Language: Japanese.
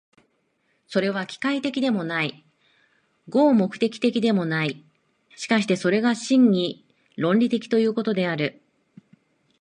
それは機械的でもない、合目的的でもない、しかしてそれが真に論理的ということである。